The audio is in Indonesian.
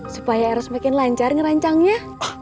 supaya harus makin lancar ngerancangnya